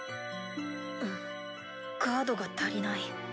うんガードが足りない。